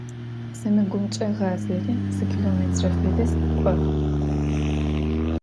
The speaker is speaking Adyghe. СэмэгумкӀэ гъазэри зы километрэ фэдиз кӀо.